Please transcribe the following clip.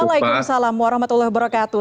waalaikumsalam warahmatullahi wabarakatuh